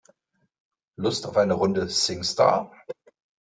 Lust auf eine Runde Singstar?